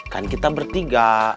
kan kita bertiga